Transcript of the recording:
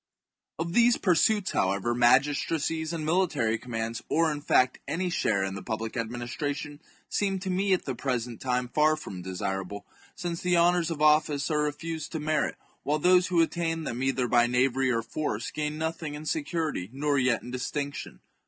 Of these pursuits, however, magistracies and mili tary commands, or in fact any share in the public ad ministration, seem to me at the present time far from desirable, since the honours of office are refused to merit, while those who attain them either by knavery chap. or force gain nothing in security nor yet in distinction.